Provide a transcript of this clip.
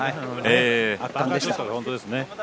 圧巻でした。